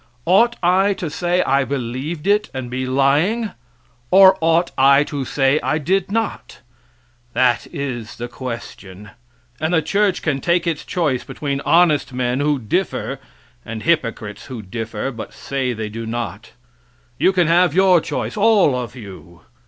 Ought I to say I believed it, and be lying, or ought I to say I did not? that is the question; and the church can take its choice between honest men, who differ, and hypocrites, who differ, but say they do not you can have your choice, all of you.